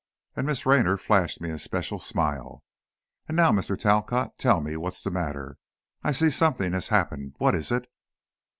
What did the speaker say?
and Miss Raynor flashed me a special smile. "And now, Mr. Talcott, tell me what's the matter? I see something has happened. What is it?"